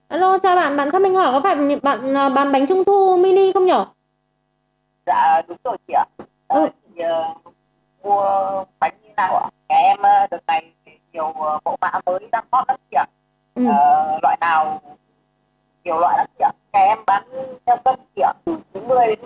alo chào bạn bạn khách mình hỏi